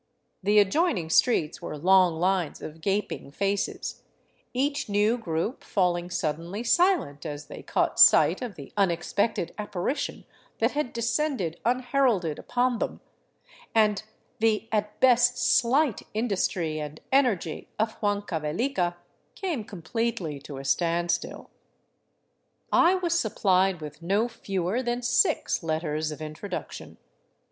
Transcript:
The adjoining streets were long lines of gaping faces, each new group falling suddenly silent as they caught sight of the unexpected apparition that had descended unheralded upon them, and the at best slight industry and energy of Huancavelica came completely to a standstill. I was supplied with no fewer than six letters of introduction.